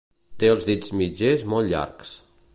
Té els dits mitgers molt llargs.